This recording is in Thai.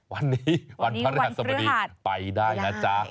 วันนี้วันพระอาหารสภภิกษ์ไปได้นะจ๊ะ